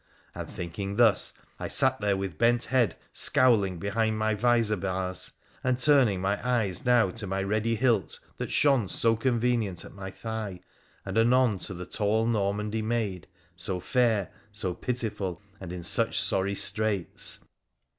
And, thinking thus, I sat there with bent head scowling behind my visor bars, and turning my eyes now to my ready hilt that shone so convenient at my thigh, and anon to the tall Normandy maid, so fair, so pitiful, and in such sorry straits.